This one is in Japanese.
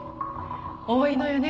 多いのよね